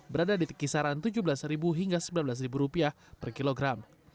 berada di kisaran rp tujuh belas hingga rp sembilan belas per kilogram